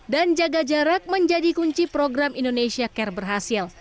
dan jaga jarak menjadi kunci program indonesia care berhasil